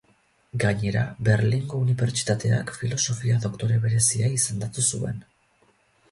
Gainera, Berlingo unibertsitateak filosofia doktore berezia izendatu zuen.